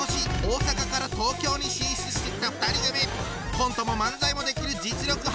コントも漫才もできる実力派！